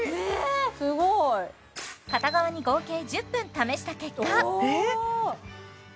すごい片側に合計１０分試した結果えっ？